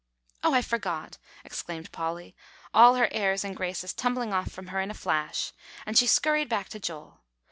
"Oh, I forgot!" exclaimed Polly, all her airs and graces tumbling off from her in a flash, and she skurried back to Joel.